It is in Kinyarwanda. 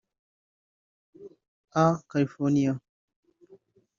A california